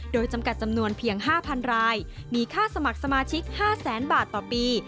โดยจำกัดจำนวนเพียง๕๐๐รายมีค่าสมัครสมาชิก๕แสนบาทต่อปี